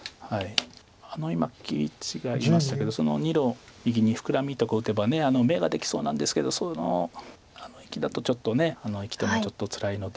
今切り違いましたけどその２路右にフクラミとか打てば眼ができそうなんですけどその生きだとちょっと生きてもちょっとつらいので。